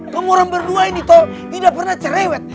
kamu orang berdua ini toh tidak pernah cerewet